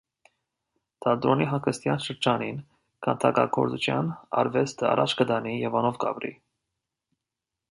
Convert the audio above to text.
Թատրոնի հանգստեան շրջանին քանդակագործութեան արուեստը առաջ կը տանի եւ անով կ՝ապրի։